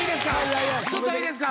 ちょっといいですか？